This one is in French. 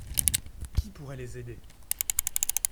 Qui pourrait les aider.